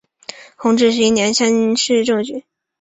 弘治十一年乡试中举。